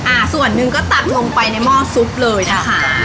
อ่าส่วนหนึ่งก็ตักลงไปในหม้อซุปเลยนะคะ